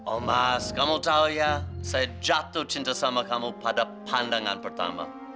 omas kamu tahu ya saya jatuh cinta sama kamu pada pandangan pertama